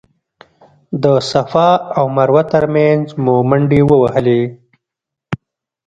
د صفا او مروه تر مینځ مو منډې ووهلې.